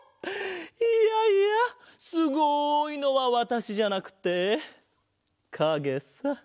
いやいやすごいのはわたしじゃなくってかげさ。